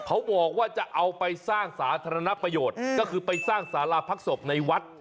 เขาบอกว่าจะเอาไปสร้างสาธารณประโยชน์ก็คือไปสร้างสาราพักศพในวัด